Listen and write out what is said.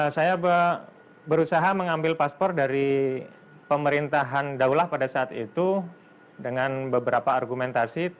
saya berusaha mengambil paspor dari pemerintahan daulah pada saat itu dengan beberapa argumentasi